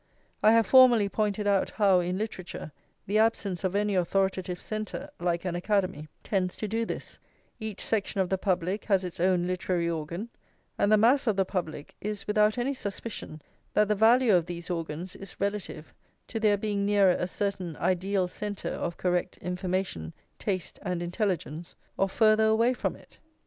I have formerly pointed out how in literature the absence of any authoritative centre, like an Academy, tends to do this; each section of the public has its own literary organ, and the mass of the public is without any suspicion that the value of these organs is relative to their being nearer a certain ideal centre of correct information, taste, and intelligence, or farther away from it.